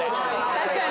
確かに！